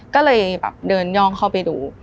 ก็เลยแบบเดินย่องเข้าไปดู